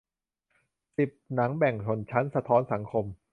สิบ หนังแบ่งชนชั้น สะท้อนสังคม